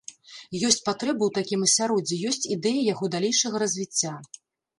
Ёсць патрэба ў такім асяроддзі, ёсць ідэі яго далейшага развіцця.